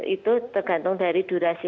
itu tergantung dari durasi